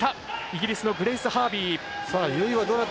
イギリスのグレイス・ハービー。